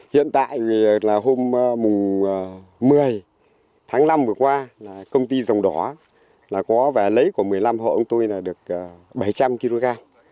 hiện tại là hôm mùng một mươi tháng năm vừa qua công ty dòng đỏ có vải lấy của một mươi năm hộ ông tôi được bảy trăm linh kg